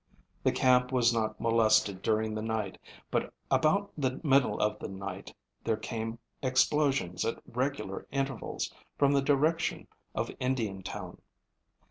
The camp was not molested during the night, but about the middle of the night there came explosions at regular intervals from the direction of Indiantown.